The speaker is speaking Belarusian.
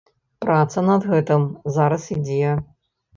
Праца над гэтым зараз ідзе.